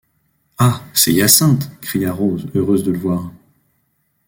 Ah! c’est Hyacinthe ! cria Rose, heureuse de le voir.